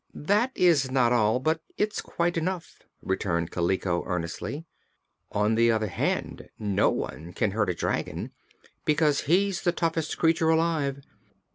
"That is not all, but it's quite enough," returned Kaliko earnestly. "On the other hand, no one can hurt a dragon, because he's the toughest creature alive.